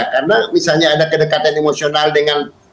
karena misalnya ada kedekatan emosional dengan salah satu kader